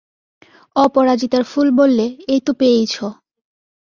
অপরাজিতার ফুল বললে, এই তো পেয়েইছ।